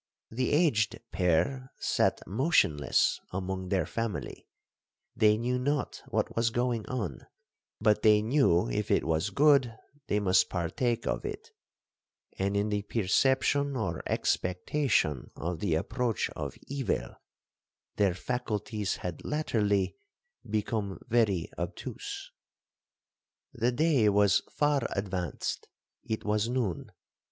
The aged pair sat motionless among their family;—they knew not what was going on, but they knew if it was good they must partake of it,—and in the perception or expectation of the approach of evil, their faculties had latterly become very obtuse. 'The day was far advanced,—it was noon.